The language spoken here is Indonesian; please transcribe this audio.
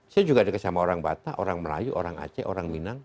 saya juga dekat sama orang batak orang melayu orang aceh orang minang